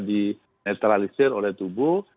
dinetralisir oleh tubuh